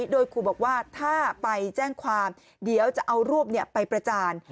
โดยครูบอกว่าถ้าไปแจ้งความเดี๋ยวจะเอารูปไปประจาน